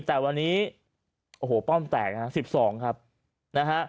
แต่วันนี้โอ้โหป้อมแตกนะฮะ๑๒ครับนะฮะ